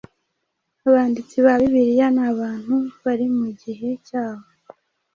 Abanditsi ba Bibiliya, ni abantu bari mu gihe cyabo,